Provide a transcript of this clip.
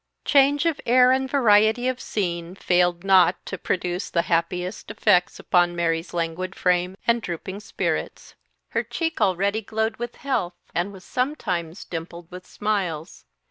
Change of air and variety of scene failed not to produce the happiest effects upon Mary's languid frame and drooping spirits. Her cheek, already glowed with health, and was sometimes dimpled with smiles.